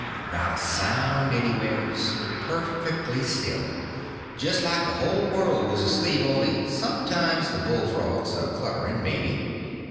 Not a sound anywheres—perfectly still—just like the whole world was asleep, only sometimes the bullfrogs a cluttering, maybe.